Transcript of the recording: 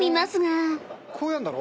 「こうやんだろ？」